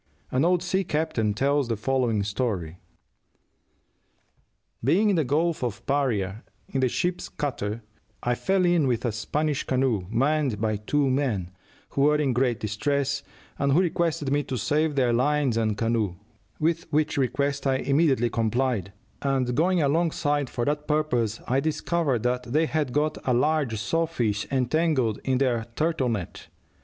An old sea captain tells the following story: "Being in the Gulf of Paria, in the ship's cutter, I fell in with a Spanish canoe, manned by two men, who were in great distress, and who requested me to save their lines and canoe, with which request I immediately complied, and going alongside for that purpose, I discovered that they had got a large saw fish entangled in their turtle net.